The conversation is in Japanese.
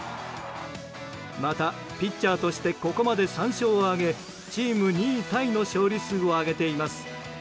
また、ピッチャーとしてここまで３勝を挙げチーム２位タイの勝利数を挙げています。